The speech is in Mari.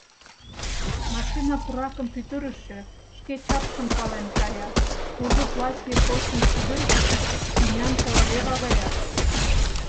Машина, пуракым пӱтырышӧ, шке чапшым пален кая, кужу платье почым шӱдырышӧ тӱнян королева гаяк.